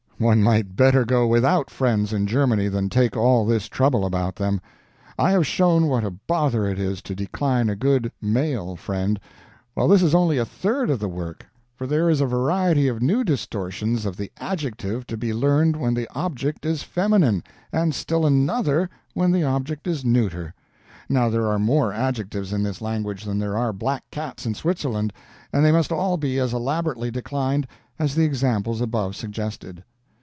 One might better go without friends in Germany than take all this trouble about them. I have shown what a bother it is to decline a good (male) friend; well this is only a third of the work, for there is a variety of new distortions of the adjective to be learned when the object is feminine, and still another when the object is neuter. Now there are more adjectives in this language than there are black cats in Switzerland, and they must all be as elaborately declined as the examples above suggested.